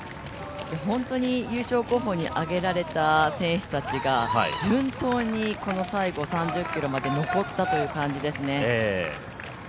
本当に優勝候補にあげられた選手たちが順当にこの最後、３０ｋｍまで残ったという感じですね。